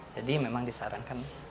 jadi memang disarankan